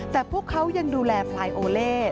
แต่พวกเขายังดูแลพลายโอเล่